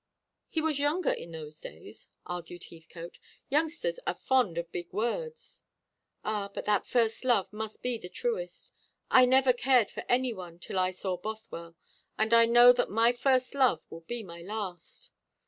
"He was younger in those days," argued Heathcote. "Youngsters are fond of big words." "Ah, but that first love must be the truest. I never cared for any one till I saw Bothwell; and I know that my first love will be my last."